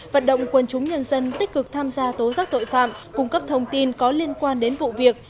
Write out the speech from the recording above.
vận động quân chúng nhân dân tích cực tham gia tố giác tội phạm cung cấp thông tin có liên quan đến vụ việc